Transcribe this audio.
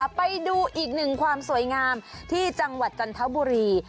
ไปดูอีกหนึ่งความสวยงามที่จังหวัดจันทบุรี